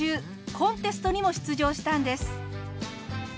コンテストにも出場したんです。